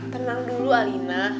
tenang dulu alina